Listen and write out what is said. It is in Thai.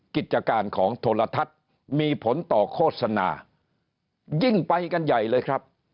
กิจการของโทรทัศน์มีผลต่อโฆษณายิ่งไปกันใหญ่เลยครับ